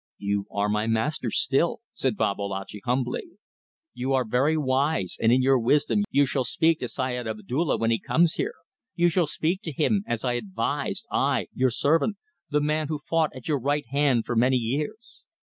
"You are my master still," said Babalatchi, humbly. "You are very wise and in your wisdom you shall speak to Syed Abdulla when he comes here you shall speak to him as I advised, I, your servant, the man who fought at your right hand for many years.